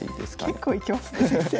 結構いきますね先生。